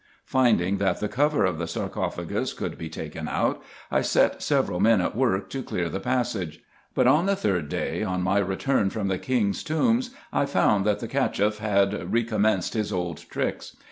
Finding that the cover of the sarcophagus could be taken out, I set several men at work to clear the passage ; but on the third day, on my return from the king's tombs, I found that the Cacheff had recommenced his old tricks.